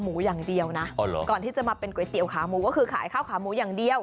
มันจะมาเป็นก๋วยเตี๋ยวขาหมูก็คือขายข้าวขาหมูอย่างเดียว